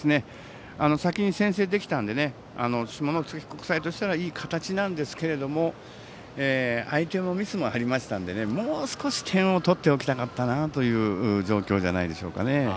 先に先制できたので下関国際としたらいい形なんですけれども相手のミスもありましたのでもう少し点を取っておきたかったなという状況じゃないでしょうか。